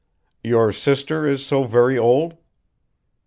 "Your sister is so very old?"